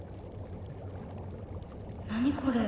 何これ？